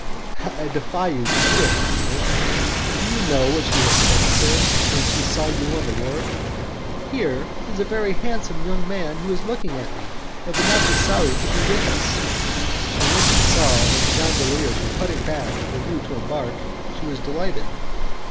"I defy you to do it, my dear. Do you know what she said, sir, when she saw you on the wharf? 'Here is a very handsome young man who is looking at me, and would not be sorry to be with us.' And when she saw that the gondoliers were putting back for you to embark she was delighted."